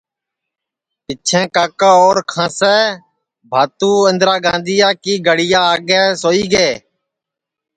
پِچھیں کاکا اور کھانٚسے بھاتو اِندرا گاندھیا کی گڈؔیا آگے سوئی گے